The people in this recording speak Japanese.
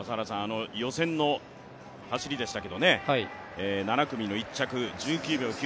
予選の走りでしたけど７組の１着１９秒９８